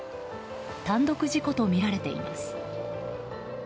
単独事故とみられています。